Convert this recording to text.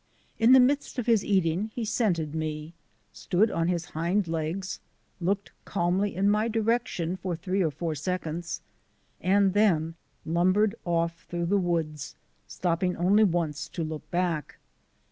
In the midst of his eating he scented me, stood on his hind legs, looked calmly in my direction for three or four seconds, and then lumbered off through the woods, stopping only once to look back.